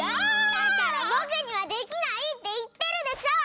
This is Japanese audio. だからぼくにはできないっていってるでしょ！